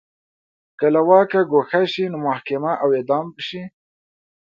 که له واکه ګوښه شي نو محاکمه او اعدام شي